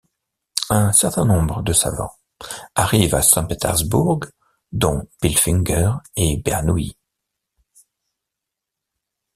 Un certain nombre de savants arrivent à Saint-Pétersbourg, dont Bilfinger et Bernoulli.